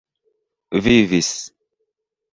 vivis